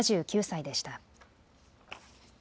７９歳でした。